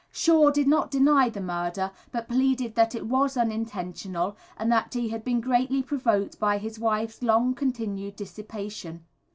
Shaw did not deny the murder, but pleaded that it was unintentional, and that he had been greatly provoked by his wife's long continued dissipation.